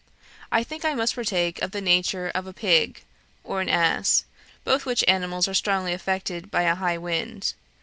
I think I must partake of the nature of a pig or an ass both which animals are strongly affected by a high wind.